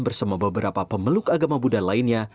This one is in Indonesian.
bersama beberapa pemeluk agama buddha lainnya